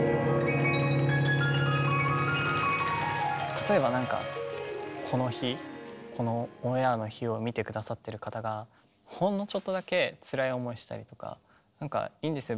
例えばなんかこの日このオンエアの日を見て下さってる方がほんのちょっとだけつらい思いしたりとかいいんですよ